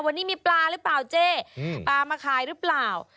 วันนี้มีปลาหรือเปล่าเจ๊ปลามาขายหรือเปล่า